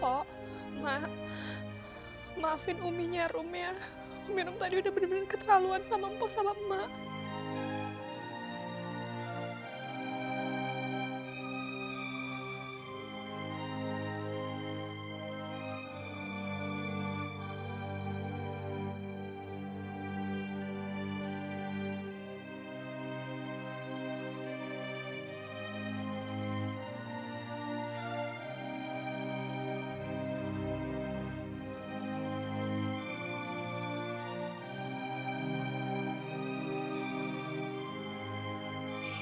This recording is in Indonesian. pak mak maafin umi nyarum ya umi nyarum tadi udah bener bener keterlaluan sama mak